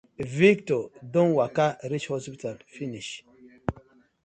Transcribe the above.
Victor don waka reach hospital finish.